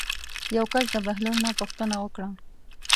یو کس د بهلول نه پوښتنه وکړه.